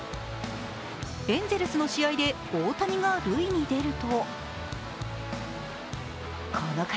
エンゼルスの試合で大谷が塁に出るとこの方！